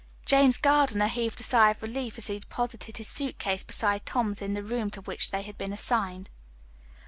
James Gardiner heaved a sigh of relief as he deposited his suit case beside Tom's in the room to which they had been assigned.